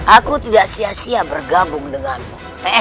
aku tidak sia sia bergabung denganmu